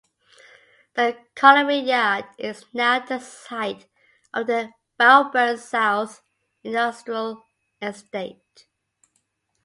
The colliery yard is now the site of the Bowburn South Industrial Estate.